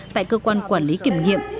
tại cơ quan quản lý kiểm nghiệm